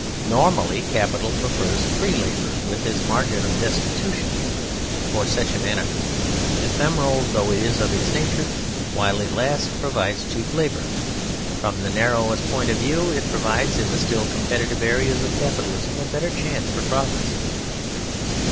Normally, capital prefers free labour with its margin of destitution ; for such an anarchy, ephemeral though it is of its nature, while it lasts provides cheap labour ; from the narrow est point of view it provides in the still competitive areas of Capitalism a better chance for profits.